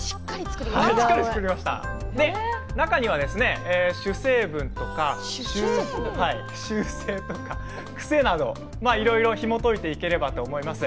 中には主成分とか習性、くせなどいろいろひもといていければと思います。